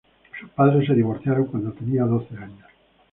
Sus padres se divorciaron cuando tenía doce años.